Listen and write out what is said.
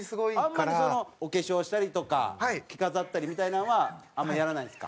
あんまりそのお化粧したりとか着飾ったりみたいなのはあんまりやらないんですか？